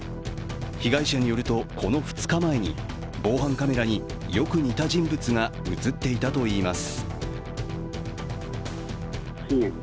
被害者によると、この２日前に防犯カメラによく似た人物が映っていたといいます。